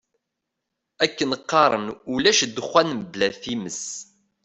Akken qqaren ulac ddexxan bla times.